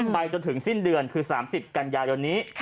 จนถึงสิ้นเดือนคือ๓๐กันยายนนี้